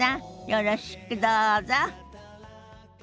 よろしくどうぞ。